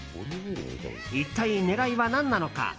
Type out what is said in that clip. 一体、狙いは何なのか。